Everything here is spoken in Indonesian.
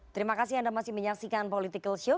terima kasih anda masih menyaksikan political show